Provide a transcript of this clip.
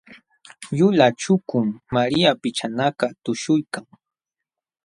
Yulaq chukum Maria pichanakaq tuśhuykan.